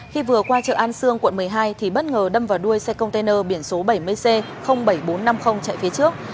khi vừa qua chợ an sương quận một mươi hai thì bất ngờ đâm vào đuôi xe container biển số bảy mươi c bảy nghìn bốn trăm năm mươi chạy phía trước